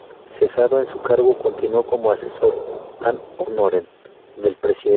Cesado en su cargo continuó como asesor "ad honorem" del Presidente.